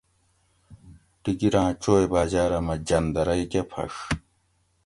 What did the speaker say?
ڈِگیراۤں چوئ باۤجاۤ رہ مۤہ جندرئ کۤہ پھڛ